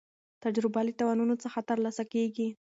تجربه له تاوانونو څخه ترلاسه کېږي.